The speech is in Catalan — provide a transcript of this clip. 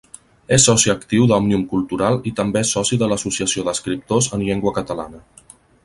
És soci actiu d'Òmnium Cultural i també és soci de l'Associació d'Escriptors en Llengua Catalana.